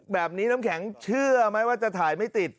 แบบนี้น้ำแข็งเชื่อไหมว่าจะถ่ายไม่ติด